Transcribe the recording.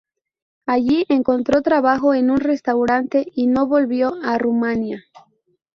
Allí encontró trabajo en un restaurante y no volvió a Rumania.